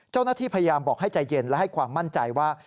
เจ้าหน้าที่พยายามบอกให้ใจเย็นและให้ความมั่นใจว่า